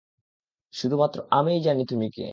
শুধুমাত্র আমিই জানি তুমি কে।